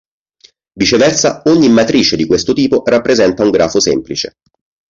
Viceversa, ogni matrice di questo tipo rappresenta un grafo semplice.